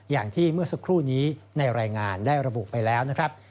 อย่างที่เมื่อสักครู่นี้ในรายงานได้ระบุไปแล้วนะครับ